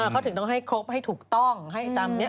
เขาถึงต้องให้ครบให้ถูกต้องให้ตามนี้